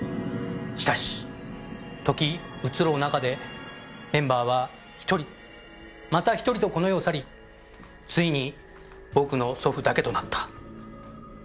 しかし時移ろう中でメンバーは１人また１人とこの世を去りついに僕の祖父だけとなった。